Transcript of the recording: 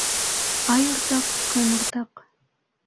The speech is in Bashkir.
Ай уртаҡ, көн уртаҡ